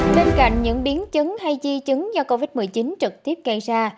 bên cạnh những biến chứng hay di chứng do covid một mươi chín trực tiếp gây ra